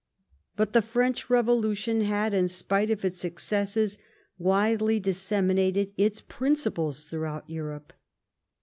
But the French Revolution had, in spite of its excesses, widely disseminated its principles throughout Europe.